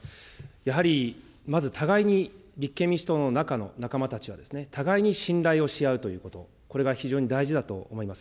やはりまず、互いに立憲民主党の中の仲間たちは、互いに信頼をし合うということ、これが非常に大事だと思います。